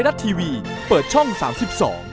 โปรดติดตามตอนต่อไป